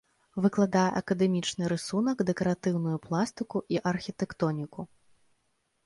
Выкладае акадэмічны рысунак, дэкаратыўную пластыку і архітэктоніку.